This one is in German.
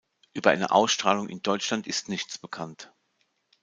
Über eine Ausstrahlung in Deutschland ist nichts bekannt.